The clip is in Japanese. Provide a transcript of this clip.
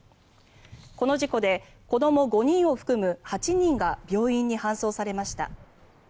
この事故で子ども５人を含む８人が病院に搬送されました。